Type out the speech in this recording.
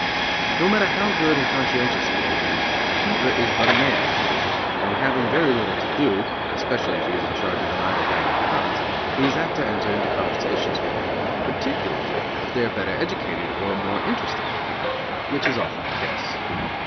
No matter how good and conscientious he may be, a keeper is but a man after all, and, having very little to do, especially if he is in charge of an idle gang of "cons" he is apt to enter into conversation with them, particularly if they are better educated or more interesting than he, which often is the case.